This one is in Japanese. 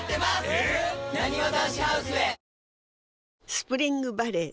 スプリングバレー